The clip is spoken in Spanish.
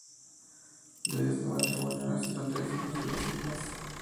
De este matrimonio nacieron tres hijos y dos hijas.